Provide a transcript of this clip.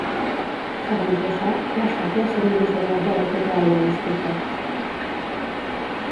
Segons això, l'estàtua seria més aviat de l'època hel·lenística.